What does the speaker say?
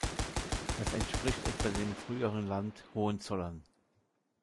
Das entspricht etwa dem früheren Land „Hohenzollern“.